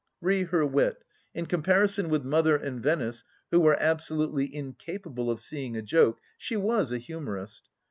Re her wit — ^in comparison with Mother and Venice, who were abco lutely incapable of seeing a joke, she was a humorist.